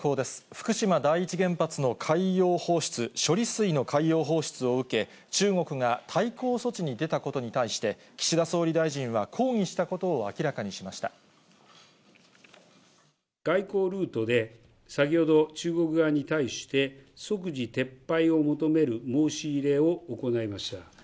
福島第一原発の海洋放出、処理水の海洋放出を受け、中国が対抗措置に出たことに対して、岸田総理大臣は、抗議したこ外交ルートで、先ほど中国側に対して、即時撤廃を求める申し入れを行いました。